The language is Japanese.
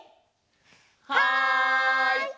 はい！